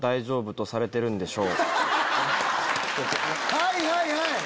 はいはいはい。